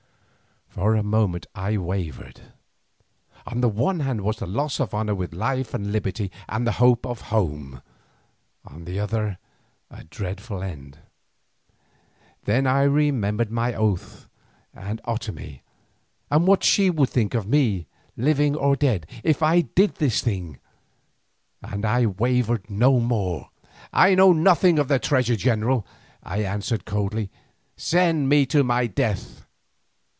For a moment I wavered. On the one hand was the loss of honour with life and liberty and the hope of home, on the other a dreadful end. Then I remembered my oath and Otomie, and what she would think of me living or dead, if I did this thing, and I wavered no more. "I know nothing of the treasure, general," I answered coldly. "Send me to my death."